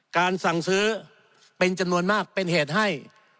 สั่งซื้อเป็นจำนวนมากเป็นเหตุให้